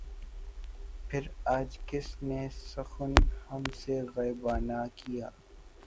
پھر آج کس نے سخن ہم سے غائبانہ کیا